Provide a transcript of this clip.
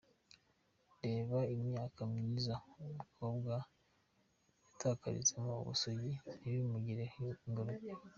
Reba imyaka myiza umukobwa yatakarizamo ubusugi ntibimugireho ingaruka.